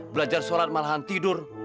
belajar sholat malahan tidur